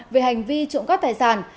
về hành vi trộm cắp tài sản